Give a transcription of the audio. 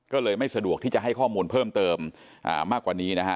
ก็เลยไม่สะดวกที่จะให้ข้อมูลเพิ่มเติมมากกว่านี้นะฮะ